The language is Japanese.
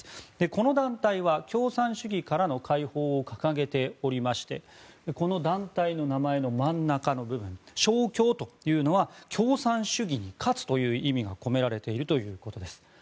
この団体は共産主義からの解放を掲げておりましてこの団体の名前の真ん中の部分勝共というのは共産主義に勝つという意味が込められているということです。